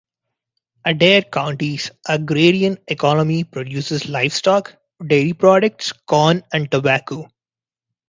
Adair County's agrarian economy produces livestock, dairy products, corn, and tobacco.